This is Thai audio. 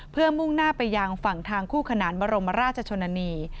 เพื่อมุ่งหน้าไปยังฝั่งทางคู่ขนานบรมราชชนนานี